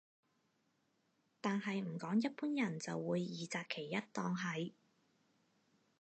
但係唔講一般人就會二擇其一當係